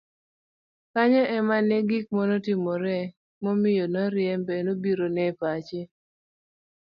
kanyo ema ne gik manotimore momiyo noriembe nobirone e pache